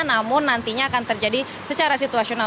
namun nantinya akan terjadi secara situasional